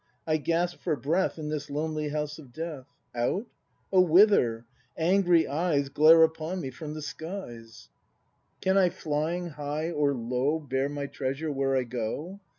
I gasp for breath In this lonely house of death. Out .'' Oh, whither ? Angry eyes Glare upon me from the skies! ACT IV] BRAND 197 Can I, flying, high or low, Bear my treasure where I go?